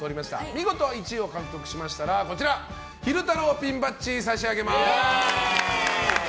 見事１位を獲得しましたら昼太郎ピンバッジを差し上げます。